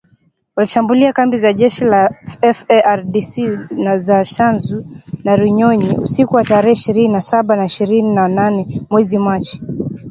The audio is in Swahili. Walishambulia kambi za jeshi la FARDC za Tchanzu na Runyonyi, usiku wa tarehe ishirini na saba na ishirini na nane mwezi Machi